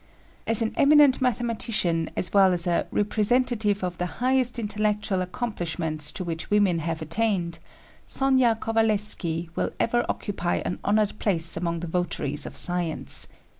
As an eminent mathematician as well as a "representative of the highest intellectual accomplishments to which women have attained," Sónya Kovalévsky will ever occupy an honored place among the votaries of science.